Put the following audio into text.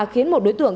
khiến một đối tượng